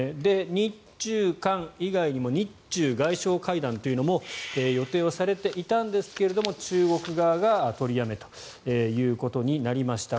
日中韓以外にも日中外相会談というのも予定をされていたんですが中国側が取りやめたということになりました。